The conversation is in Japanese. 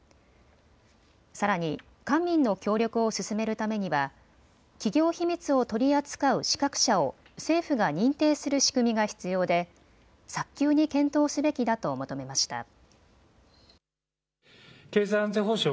さらに官民の協力を進めるためには企業秘密を取り扱う資格者を政府が認定する仕組みが必要で、早急に検討すべきだと求めました。